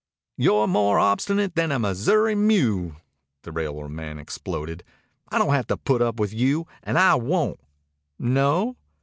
"You're more obstinate than a Missouri mule," the railroad man exploded. "I don't have to put up with you, and I won't!" "No?"